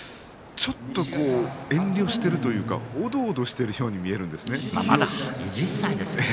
ちょっと遠慮しているというかおどおどしているように見えるんですね。